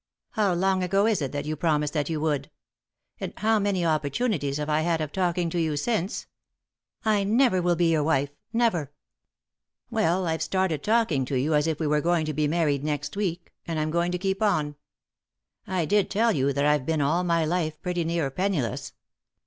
How long ago is it that you promised that you would ? And how many opportunities have I had of talking to you since ?"" I never will be your wife, never I " "Well, I've started talking to you as if we were going to be married next week, and I'm going to keep on. I did tell you that I've been all my life pretty nearly penniless.